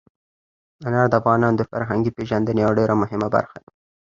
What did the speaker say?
انار د افغانانو د فرهنګي پیژندنې یوه ډېره مهمه برخه ده.